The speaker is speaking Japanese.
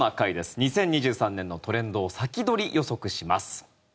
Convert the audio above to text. ２０２３年のトレンドを先取り予測します。